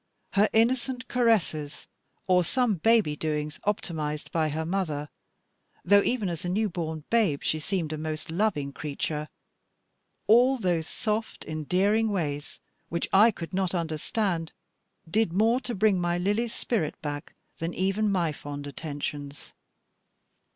Her innocent caresses, or some baby doings optimised by her mother though even as a new born babe she seemed a most loving creature all those soft endearing ways, which I could not understand, did more to bring my Lily's spirit back than even my fond attentions.